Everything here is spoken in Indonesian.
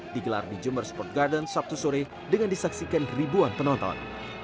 digelar di jember sport garden sabtu sore dengan disaksikan ribuan penonton